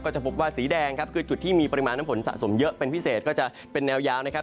จะพบว่าสีแดงครับคือจุดที่มีปริมาณน้ำฝนสะสมเยอะเป็นพิเศษก็จะเป็นแนวยาวนะครับ